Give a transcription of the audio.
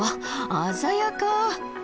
鮮やか！